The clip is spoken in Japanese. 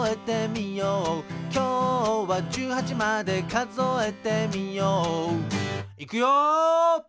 「きょうは１８までかぞえてみよう」いくよ！